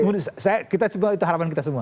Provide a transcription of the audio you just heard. menurut saya kita semua itu harapan kita semua